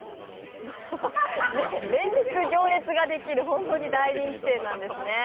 連日、行列ができる本当に大人気店なんですね。